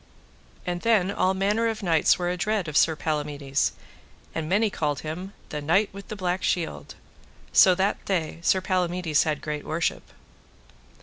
And then all manner of knights were adread of Sir Palamides, and many called him the Knight with the Black Shield. So that day Sir Palamides had great worship.